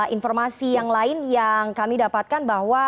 informasi yang lain yang kami dapatkan bahwa